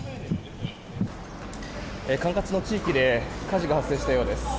管轄の地域で火事が発生したようです。